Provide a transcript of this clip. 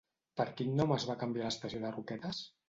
Per quin nom es va canviar l'estació de Roquetes?